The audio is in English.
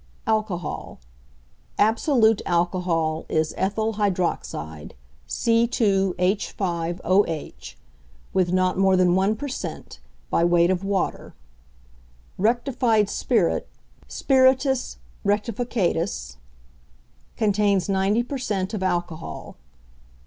=Alcohol.= Absolute alcohol is ethyl hydroxide (C_H_OH) with not more than 1 per cent. by weight of water. Rectified spirit (spiritus rectificatus) contains 90 per cent. of alcohol.